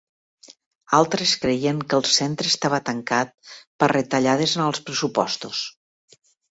Altres creien que el centre estava tancat per retallades en els pressupostos.